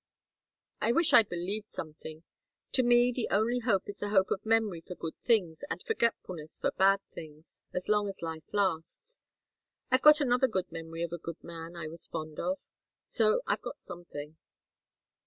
I wish I believed something. To me the only hope is the hope of memory for good things and forgetfulness for bad things, as long as life lasts. I've got another good memory of a good man I was fond of so I've got something."